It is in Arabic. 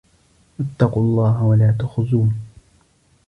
واتقوا الله ولا تخزون